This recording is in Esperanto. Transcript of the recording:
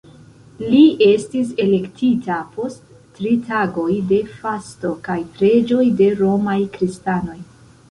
Li estis elektita post tri tagoj de fasto kaj preĝoj de romaj kristanoj.